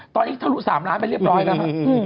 ตอนนี้ทะลุ๓ล้านไปเรียบร้อยแล้วครับ